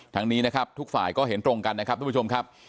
นี้นะครับทุกฝ่ายก็เห็นตรงกันนะครับทุกผู้ชมครับ